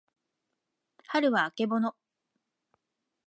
はるはあけぼの